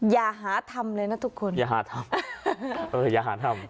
อย่าหาทำเลยนะทุกคนอย่าหาทำเอออย่าหาทำ